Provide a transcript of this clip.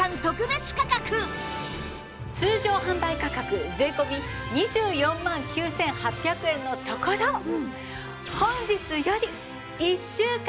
通常販売価格税込２４万９８００円のところ本日より１週間限定